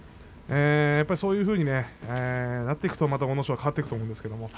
そういうふうになっていくと阿武咲も変わっていくと思います。